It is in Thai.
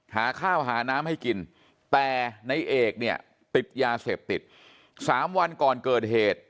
หาข้าวหาน้ำให้กินแต่ในเอกเนี่ยติดยาเสพติด๓วันก่อนเกิดเหตุ